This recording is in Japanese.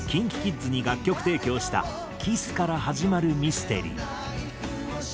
ＫｉｎＫｉＫｉｄｓに楽曲提供した『Ｋｉｓｓからはじまるミステリー』。